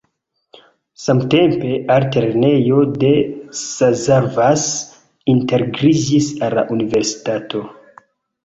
Samtempe altlernejo de Szarvas integriĝis al la universitato.